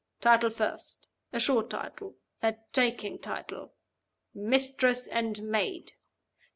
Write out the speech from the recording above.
Title first. A short title, a taking title: 'Mistress and Maid.